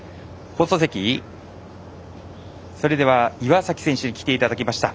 放送席、それでは岩崎選手に来ていただきました。